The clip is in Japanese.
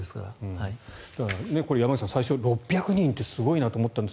山口さん最初６００人ってすごいなと思ったんですが。